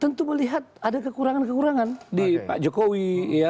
tentu melihat ada kekurangan kekurangan di pak jokowi